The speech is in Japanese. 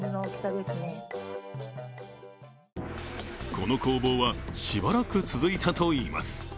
この攻防はしばらく続いたといいます。